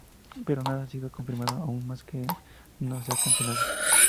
Pero nada ha sido confirmado aún más que no se ha cancelado.